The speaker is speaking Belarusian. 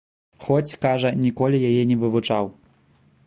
Хоць, кажа, ніколі яе не вывучаў.